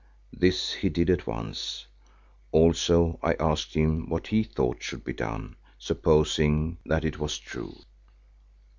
This he did at once. Also I asked him what he thought should be done, supposing that it was true.